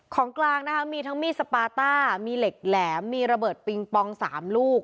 ของกลางนะคะมีทั้งมีดสปาต้ามีเหล็กแหลมมีระเบิดปิงปอง๓ลูก